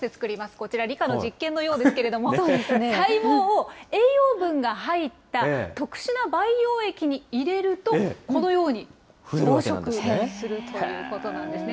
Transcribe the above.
こちら、理科の実験のようですけれども、細胞を栄養分が入った特殊な培養液に入れると、このように増殖するということなんですね。